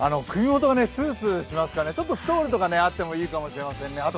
首元がスースーしますからねちょっとストールとかあってもいいかもしれませんね。